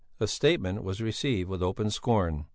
The statement was received with open scorn.